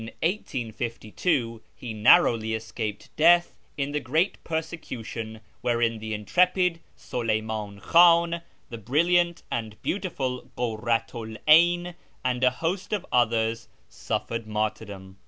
In 1852 he narrowly escaped death in the great persecution wherein the intrepid Suleyniiin Ivhdn, the brilliant and beautiful Kurratu 'l 'Ayn, and a liost of others, suffered martyrdom.